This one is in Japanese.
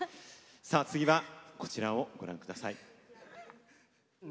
次は、こちらをご覧ください。